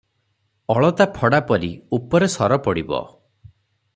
ଅଳତା ଫଡ଼ା ପରି ଉପରେ ସର ପଡ଼ିବ ।